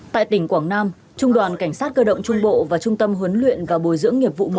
tại tỉnh quảng nam trung đoàn cảnh sát cơ động trung bộ và trung tâm huấn luyện và bồi dưỡng nghiệp vụ một